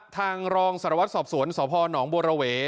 ทางรองสารวัดสอบสวนสนบรวเวทย์